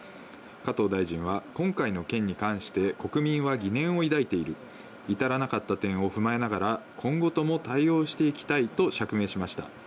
加藤大臣は今回の件に関して国民は疑念を抱いている、至らなかった点を踏まえながら、今後とも対応していきたいと釈明しました。